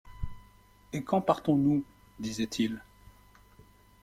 Et quand partons-nous?... disaient-ils.